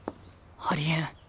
ありえん。